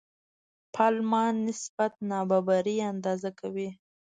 پالما نسبت نابرابري اندازه کوي.